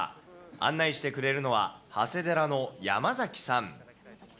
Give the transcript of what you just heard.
案内してくれるのは、長谷寺の山崎さん。